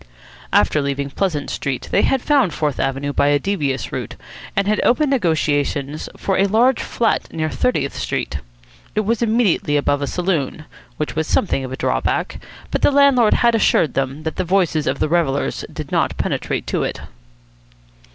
After leaving Pleasant Street they had found Fourth Avenue by a devious route, and had opened negotiations for a large flat near Thirtieth Street. It was immediately above a saloon, which was something of a drawback, but the landlord had assured them that the voices of the revellers did not penetrate to it.